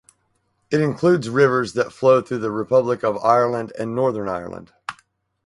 It includes rivers that flow through the Republic of Ireland and Northern Ireland.